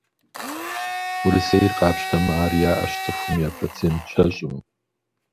Урысейр къапщтэмэ, ар яӏэщ цӏыхум я процент щэщӏым.